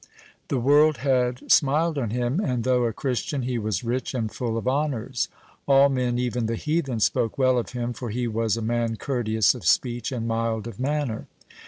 The world had smiled on him, and though a Christian, he was rich and full of honors. All men, even the heathen, spoke well of him, for he was a man courteous of speech and mild of manner.